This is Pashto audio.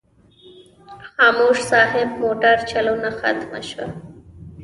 خاموش صاحب موټر چلونه ختمه شوه.